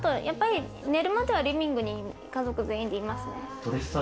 寝るまではリビングに家族全員でいますね。